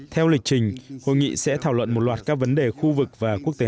theo lịch trình hội nghị sẽ thảo luận một loạt các vấn đề khu vực và quốc tế